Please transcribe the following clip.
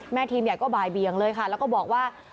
ทีมใหญ่ก็บ่ายเบียงเลยค่ะแล้วก็บอกว่า